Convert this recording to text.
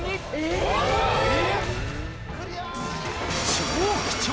超貴重！